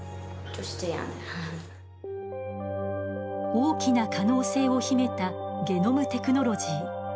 大きな可能性を秘めたゲノムテクノロジー。